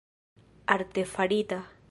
artefarita